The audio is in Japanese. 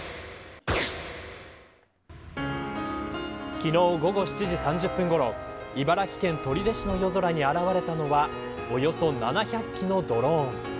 昨日午後７時３０分ごろ茨城県取手市の夜空に現れたのはおよそ７００機のドローン。